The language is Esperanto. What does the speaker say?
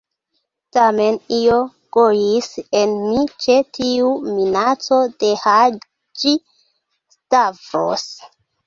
Tamen, io ĝojis en mi ĉe tiu minaco de Haĝi-Stavros.